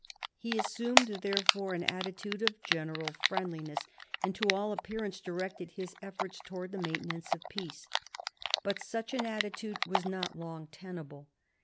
He assumed, therefore, an attitude of general friendliness, and to all appearance directed his efforts towards the maintenance of peace. But such an attitude was not long tenable.